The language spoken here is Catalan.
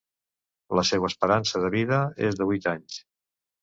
La seua esperança de vida és de vuit anys.